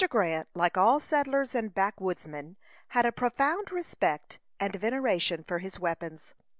Grant, like all settlers and backwoodsmen, had a profound respect and veneration for his weapons.